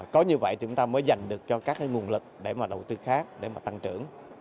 có như vậy thì chúng ta mới dành được cho các cái nguồn lực để mà đầu tư khác để mà tăng trưởng